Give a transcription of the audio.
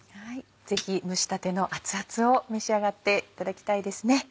ぜひ蒸したての熱々を召し上がっていただきたいですね。